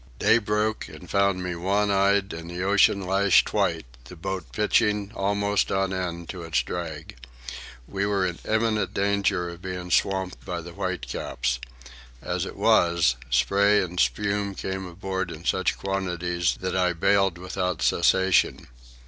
Day broke and found me wan eyed and the ocean lashed white, the boat pitching, almost on end, to its drag. We were in imminent danger of being swamped by the whitecaps. As it was, spray and spume came aboard in such quantities that I bailed without cessation.